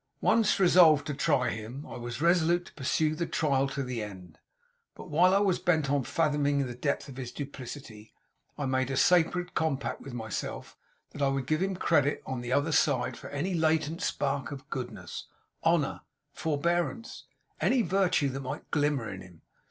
'Once resolved to try him, I was resolute to pursue the trial to the end; but while I was bent on fathoming the depth of his duplicity, I made a sacred compact with myself that I would give him credit on the other side for any latent spark of goodness, honour, forbearance any virtue that might glimmer in him.